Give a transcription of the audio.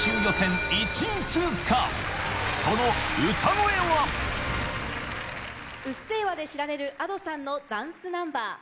その歌声は⁉『うっせぇわ』で知られるＡｄｏさんのダンスナンバー。